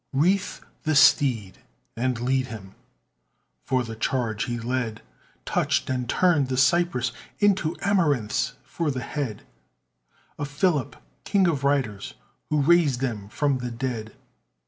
Wreathe the steed and lead him For the charge he led Touched and turned the cypress Into amaranths for the head Of Philip, king of riders, Who raised them from the dead.